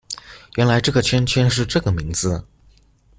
原來這個圈圈是這個名字